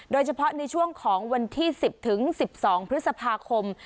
โดยเฉพาะในช่วงของวันที่๑๐๑๒พฤษภาคม